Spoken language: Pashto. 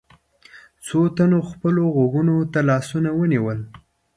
څو تنو خپلو غوږونو ته لاسونه ونيول.